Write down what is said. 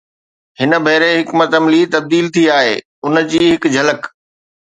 هن ڀيري حڪمت عملي تبديل ٿي آهي، ان جي هڪ جھلڪ